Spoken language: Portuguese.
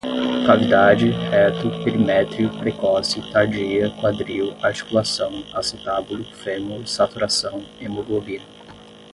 cavidade, reto, perimétrio, precoce, tardia, quadril, articulação, acetábulo, fêmur, saturação, hemoglobina